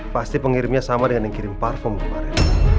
pasti pengirimnya sama dengan yang kirim parfum kemarin